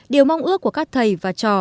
điều mong ước của các thầy và trò